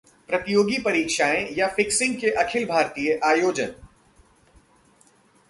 प्रतियोगी परीक्षाएं या फिक्सिंग के अखिल भारतीय आयोजन